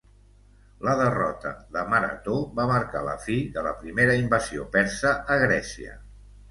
La derrota de Marató va marcar la fi de la primera invasió persa a Grècia.